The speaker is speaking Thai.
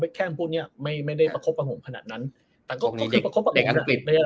ไม่แค่งพวกนี้ไม่ได้ประคบภังหวมขนาดนั้นแต่ก็คือประคบภังหวม